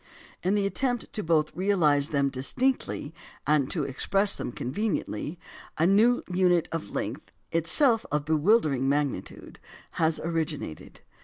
In the attempt both to realize them distinctly, and to express them conveniently, a new unit of length, itself of bewildering magnitude, has originated.